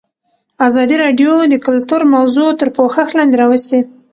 ازادي راډیو د کلتور موضوع تر پوښښ لاندې راوستې.